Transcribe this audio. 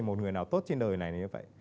một người nào tốt trên đời này như vậy